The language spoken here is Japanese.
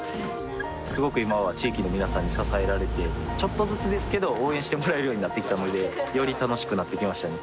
すごく今は地域の皆さんに支えられてちょっとずつですけど応援してもらえるようになってきたのでより楽しくなってきましたね